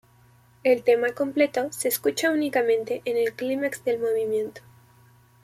El tema completo se escucha únicamente en el clímax del movimiento.